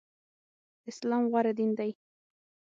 اسلام غوره دين دی.